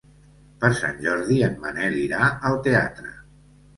Per Sant Jordi en Manel irà al teatre.